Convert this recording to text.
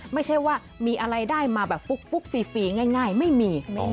ไม่ใช่ว่ามีอะไรได้มาแบบฟุกฟรีง่ายไม่มี